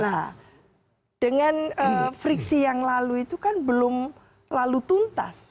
nah dengan friksi yang lalu itu kan belum lalu tuntas